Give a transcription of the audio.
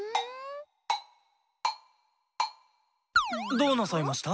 どうなさいました？